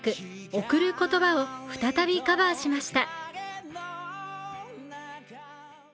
「贈る言葉」を再びカバーしました。